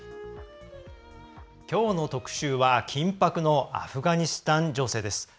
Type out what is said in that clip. きょうの特集は緊迫のアフガニスタン情勢です。